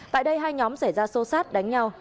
tại đây hai nhóm xảy ra sâu sát đánh nhau